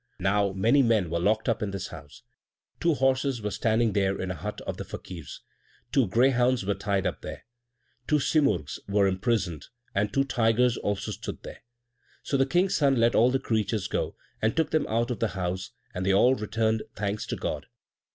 Now many men were locked up in this house; two horses were standing there in a hut of the Fakir's; two greyhounds were tied up there; two simurgs were imprisoned, and two tigers also stood there. So the King's son let all the creatures go, and took them out of the house, and they all returned thanks to God.